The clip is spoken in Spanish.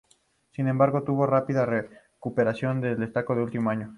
Sin embargo, tuvo una rápida recuperación y un destacado último año.